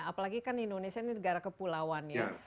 apalagi kan indonesia ini negara kepulauan ya